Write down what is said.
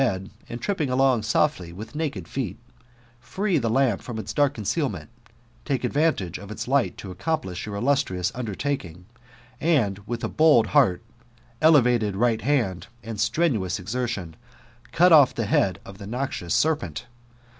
St feed, and iri^Jping along $6ffly wfA Wked feet, free (tit kthi^ fijprti its dark coticealment, talce advantage 6t itd tight to acc6mplis{j your illustrious undertaking, and with a t)9ld ^earyeteVated right hand, and strenuotrd exertion, cut off the h^d of (n6 noxious serperit.